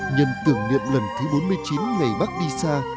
nhân tưởng niệm lần thứ bốn mươi chín ngày bác đi xa